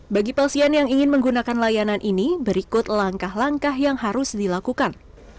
bagi pasien yang ingin menggunakan layanan ini berikut langkah langkah yang harus dilakukan